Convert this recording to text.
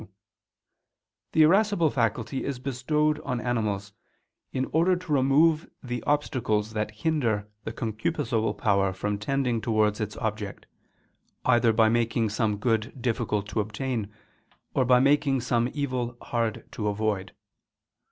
2), the irascible faculty is bestowed on animals, in order to remove the obstacles that hinder the concupiscible power from tending towards its object, either by making some good difficult to obtain, or by making some evil hard to avoid.